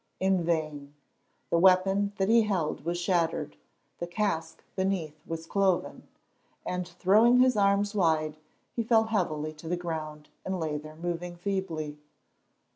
In vain! The weapon that he held was shattered, the casque beneath was cloven, and, throwing his arms wide, he fell heavily to the ground and lay there moving feebly.